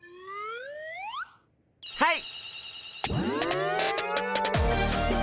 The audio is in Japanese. はい。